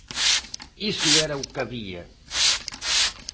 Iso era o que había.